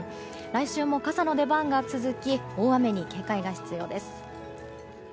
来週も傘の出番が続き大雨に警戒が必要です。